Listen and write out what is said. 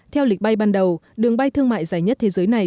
theo lịch bay ban đầu đường bay thương mại dài nhất thế giới này